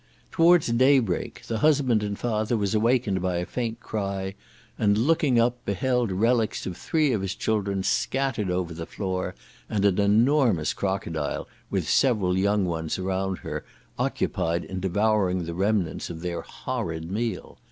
Towards daybreak the husband and father was awakened by a faint cry, and looking up, beheld relics of three of his children scattered over the floor, and an enormous crocodile, with several young ones around her, occupied in devouring the remnants of their horrid meal.